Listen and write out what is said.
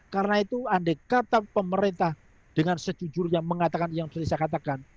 karena itu andai kata pemerintah dengan secujurnya mengatakan yang bisa saya katakan